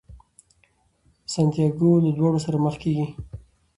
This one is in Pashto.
سانتیاګو له داړو سره مخ کیږي.